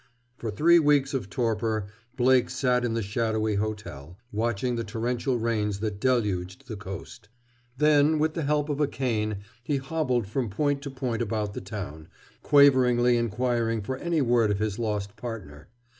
For three weeks of torpor Blake sat in the shadowy hotel, watching the torrential rains that deluged the coast. Then, with the help of a cane, he hobbled from point to point about the town, quaveringly inquiring for any word of his lost partner.